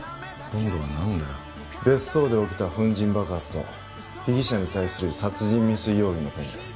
今度は何だよ別荘で起きた粉じん爆発と被疑者に対する殺人未遂容疑の件です